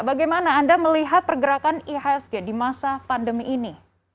bagaimana anda melihat pergerakan ihsg di masa pandemi ini